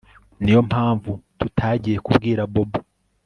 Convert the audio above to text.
Niyo mpamvu tutagiye kubwira Bobo